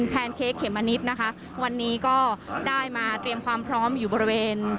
แนนเค้กเขมมะนิดนะคะวันนี้ก็ได้มาเตรียมความพร้อมอยู่บริเวณ